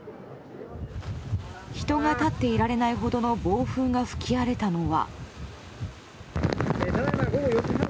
人が立っていられないほどの暴風が吹き荒れたのは。